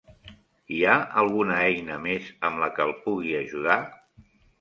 Hi ha alguna eina més amb la que el pugui ajudar?